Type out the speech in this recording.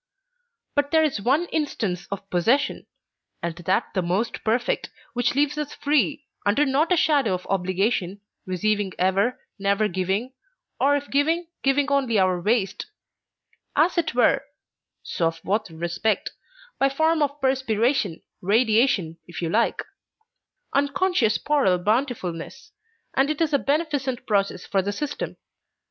But there is one instance of possession, and that the most perfect, which leaves us free, under not a shadow of obligation, receiving ever, never giving, or if giving, giving only of our waste; as it were (sauf votre respect), by form of perspiration, radiation, if you like; unconscious poral bountifulness; and it is a beneficent process for the system.